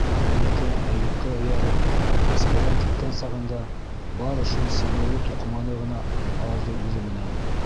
Мәликә Әйүпкә эйәреп Мәскәүҙән киткән сағында бары шул сигеүле туҡыманы ғына алды үҙе менән...